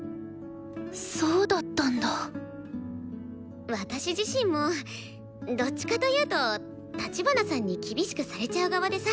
そうだったんだ私自身もどっちかというと立花さんに厳しくされちゃう側でさ。